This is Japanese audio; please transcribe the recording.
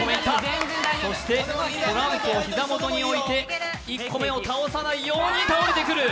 そしてトランプを膝元において１個目に倒さないように倒れてくる！